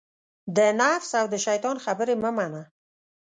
د نفس او دشیطان خبرې مه منه